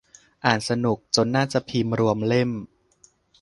อ่านสนุก จนน่าจะพิมพ์รวมเล่ม